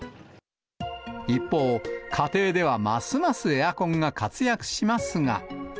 一方、家庭ではますますエアコンが活躍しますが。